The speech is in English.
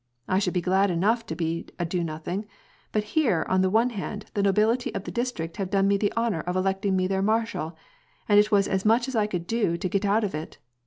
I should be glad enough to be a do nothing, but here on the one hand the nobility of the district have done me the honor of electing me their ^marshal, and it was as much as I could do to get out of it.